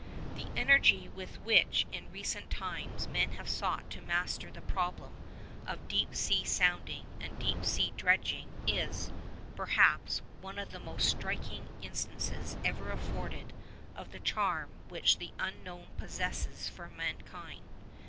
The energy with which in recent times men have sought to master the problem of deep sea sounding and deep sea dredging is, perhaps, one of the most striking instances ever afforded of the charm which the unknown possesses for mankind.